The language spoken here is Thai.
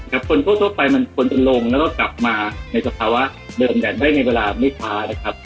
แต่คนทั่วไปมันควรจะลงแล้วก็กลับมาในสภาวะเดิมได้ในเวลาไม่ช้านะครับ